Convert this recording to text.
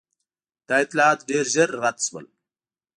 دا اطلاعات ډېر ژر رد شول.